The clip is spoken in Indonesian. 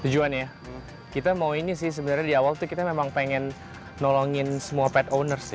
tujuan ya kita mau ini sih sebenarnya di awal kita memang pengen nolongin semua pet owners